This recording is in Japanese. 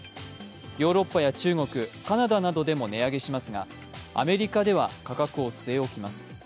ヨーロッパや中国、カナダでも値上げしますが、アメリカでは価格を据え置きます。